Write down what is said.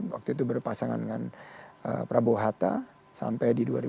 waktu itu berpasangan dengan prabowo hatta sampai di dua ribu dua puluh